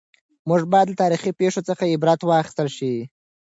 موږ باید له تاریخي پېښو څخه عبرت واخیستل شي.